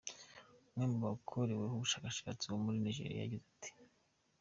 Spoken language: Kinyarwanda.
Umwe mu bakoreweho ubushakashhatsi wo muri Nigeria yagize ati:.